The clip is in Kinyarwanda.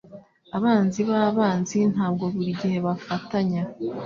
Abanzi b'abanzi ntabwo buri gihe bafatanya